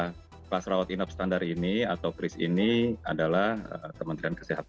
karena kelas rawat inap standar ini atau pris ini adalah kementerian kesehatan